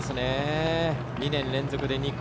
２年連続で２区。